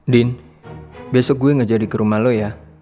din besok gue gak jadi ke rumah lo ya